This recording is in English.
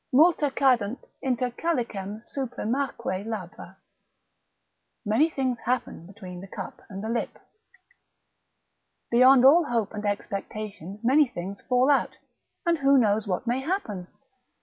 Multa cadunt inter calicem supremaque labra, Many things happen between the cup and the lip, beyond all hope and expectation many things fall out, and who knows what may happen?